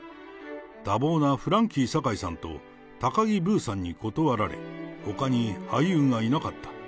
多忙なフランキー堺さんと、高木ブーさんに断られ、ほかに俳優がいなかった。